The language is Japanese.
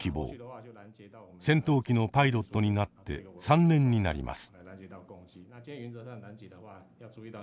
戦闘機のパイロットになって３年になります。